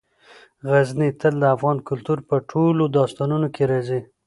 غزني تل د افغان کلتور په ټولو داستانونو کې راځي.